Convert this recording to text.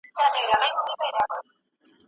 د افغانانو ملي ارزښتونه د هېواد ساتنه تضمينوي.